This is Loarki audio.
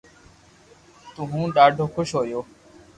تو ھون ڌادو خوݾ ھويو